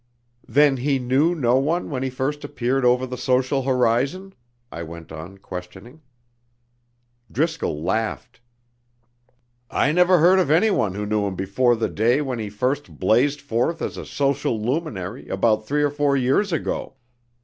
"Then he knew no one when he first appeared over the social horizon?" I went on questioning. Driscoll laughed. "I never heard of anyone who knew him before the day when he first blazed forth as a social luminary about three or four years ago.